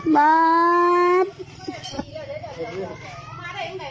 มา